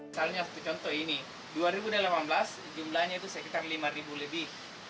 misalnya satu contoh ini dua ribu delapan belas jumlahnya itu sekitar lima lebih tukik yang berhasil menetas